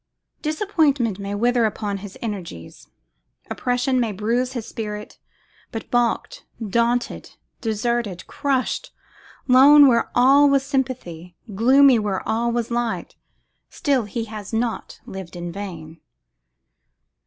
Disappointment may wither up his energies, oppression may bruise his spirit; but baulked, daunted, deserted, crushed, lone where once all was sympathy, gloomy where all was light, still he has not lived in vain.